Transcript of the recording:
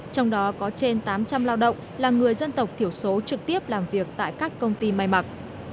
trong đó có trên tám trăm linh lao động là người dân tộc thiểu số trực tiếp làm việc tại các công ty may mặc